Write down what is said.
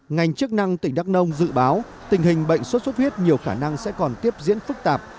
ngành chức năng tỉnh đắk nông dự báo tình hình bệnh sốt xuất huyết nhiều khả năng sẽ còn tiếp diễn phức tạp